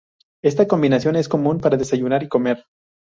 Esta combinación es común para desayunar y comer.